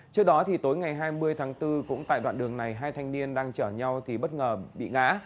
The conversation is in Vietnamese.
trước đó tối ngày hai mươi tháng bốn cũng tại đoạn đường này hai thanh niên đang chở nhau thì bất ngờ bị ngã